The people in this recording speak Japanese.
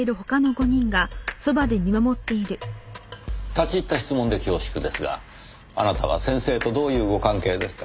立ち入った質問で恐縮ですがあなたは先生とどういうご関係ですか？